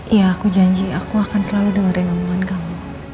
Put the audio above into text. iya aku janji aku akan selalu dengerin omongan kamu